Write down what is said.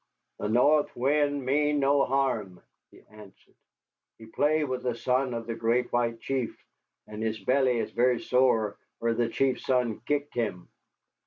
"The North Wind mean no harm," he answered. "He play with the son of the Great White Chief, and his belly is very sore where the Chief's son kicked him."